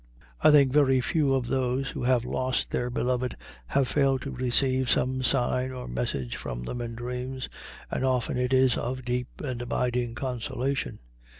I think very few of those who have lost their beloved have failed to receive some sign or message from them in dreams, and often it is of deep and abiding consolation.